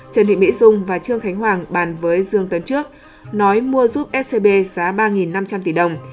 trần thị mỹ dung và trương khánh hoàng bàn với dương tấn trước nói mua giúp scb giá ba năm trăm linh tỷ đồng